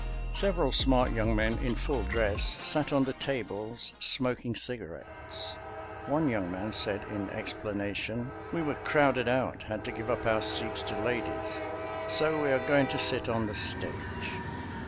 Several smart young men in full dress sat on the tables smoking cigarettes. One young man said in explanation, "We were crowded out—had to give up our seats to ladies—so we are going to sit on the stage."